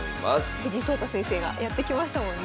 藤井聡太先生がやって来ましたもんね。